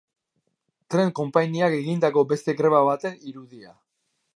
Tren konpainiak egindako beste greba baten irudia.